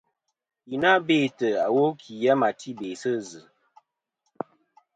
Yi na bêtɨ iwo kì a ma ti be sɨ zɨ.